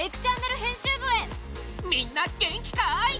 みんな元気かい？